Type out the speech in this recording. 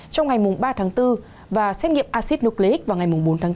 trong ngày ba bốn và xét nghiệm acid nucleic vào ngày bốn bốn